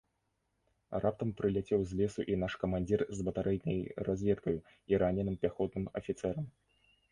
Раптам прыляцеў з лесу і наш камандзір з батарэйнай разведкаю і раненым пяхотным афіцэрам.